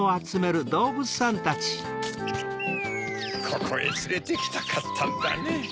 ここへつれてきたかったんだねぇ。